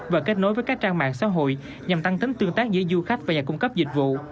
và kết nối với các trang mạng xã hội nhằm tăng tính tương tác giữa du khách và nhà cung cấp dịch vụ